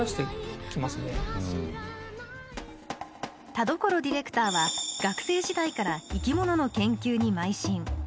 田所ディレクターは学生時代から生き物の研究にまい進。